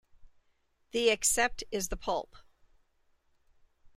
The "accept" is the pulp.